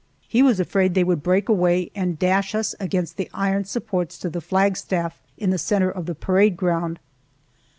He was afraid they would break away and dash us against the iron supports to the flagstaff in the center of the parade ground.